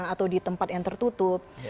atau di tempat yang tertutup